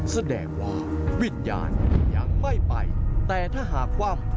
แสดงว่าวิญญาณยังไม่ไปแต่ถ้าหากคว่ำ